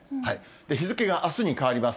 日付があすに変わります。